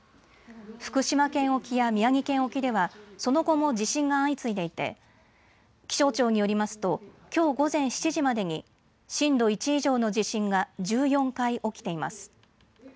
福島県沖や宮城県沖ではその後も地震が相次いでいて気象庁によりますときょう午前７時までに震度１以上の地震が１４回起きています。